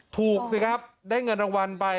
ถูกสิครับได้เงินรางวัลไป